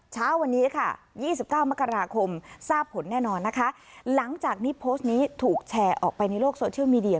เช้าวันนี้ค่ะ๒๙มกราคมทราบผลแน่นอนนะคะหลังจากนี้โพสต์นี้ถูกแชร์ออกไปในโลกโซเชียลมีเดีย